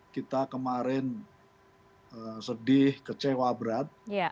kita kemarin sedih kecewa berat